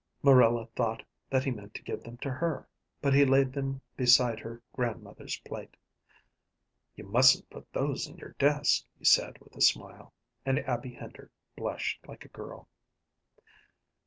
Marilla thought that he meant to give them to her, but he laid them beside her grandmother's plate. "You mustn't put those in your desk," he said with a smile, and Abby Hender blushed like a girl.